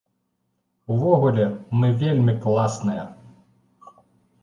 Увогуле, мы вельмі класныя!